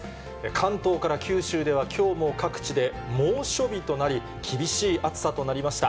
関東から九州ではきょうも各地で猛暑日となり、厳しい暑さとなりました。